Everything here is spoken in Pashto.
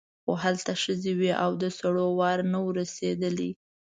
خو هلته ښځې وې او د سړي وار نه و رسېدلی.